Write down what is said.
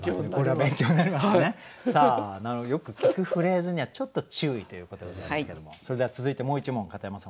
よく聞くフレーズにはちょっと注意ということでございますけどもそれでは続いてもう一問片山さん